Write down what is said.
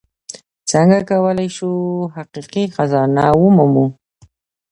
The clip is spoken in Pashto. څنګه کولی شو حقیقي خزانه ومومو؟